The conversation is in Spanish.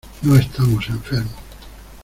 no estamos enfermos.